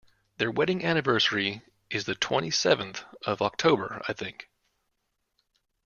Their wedding anniversary is the twenty-seventh of October, I think